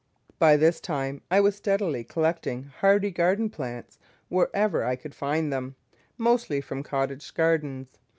By this time I was steadily collecting hardy garden plants wherever I could find them, mostly from cottage gardens.